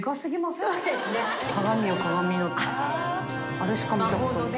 あれしか見たことない。